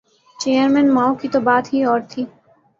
Chairman Mao کی تو بات ہی اور تھی۔